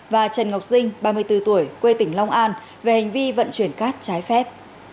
và trần ngọc sinh ba mươi bốn tuổi quê tỉnh long an về hành vi vận chuyển cát trái phép